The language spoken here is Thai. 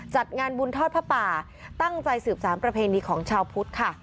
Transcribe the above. จัดงานบุญทอดผ้าป่าตั้งใจสืบสารประเพณีของชาวพุทธค่ะ